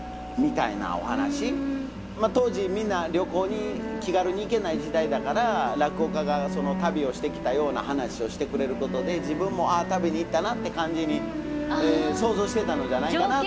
まあ当時みんな旅行に気軽に行けない時代だから落語家が旅をしてきたような噺をしてくれることで自分も「ああ旅に行ったな」って感じに想像してたのじゃないかなと。